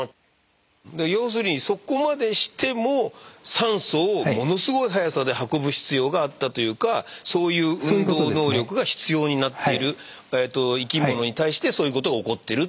だから要するにそこまでしても酸素をものすごい速さで運ぶ必要があったというかそういう運動能力が必要になっている生き物に対してそういうことが起こってるってことですね。